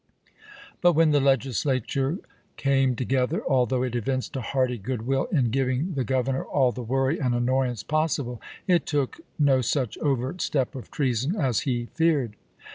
But when the Legislature came together, although it evinced a hearty good will in giving the Governor all the worry and annoyance possible, it took no such overt step of treason as he feared.